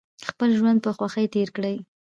خپل ژوند په خوښۍ تیر کړئ